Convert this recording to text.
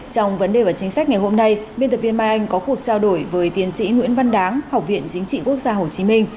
trong vấn đề và chính sách ngày hôm nay biên tập viên mai anh có cuộc trao đổi với tiến sĩ nguyễn văn đáng học viện chính trị quốc gia hồ chí minh